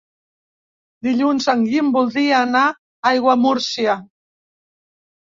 Dilluns en Guim voldria anar a Aiguamúrcia.